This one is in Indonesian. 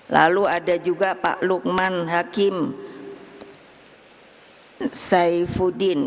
lalu ada juga pak lukman hakim saifuddin